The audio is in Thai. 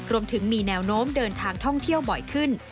รวมถึงมีแนวโน้มเดินทางท่องเที่ยวบ่อยขึ้น